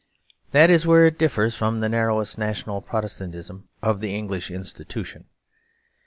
That is where it differs from the narrowest national Protestantism of the English institution.